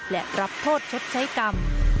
และรับโทษชดใช้กรรม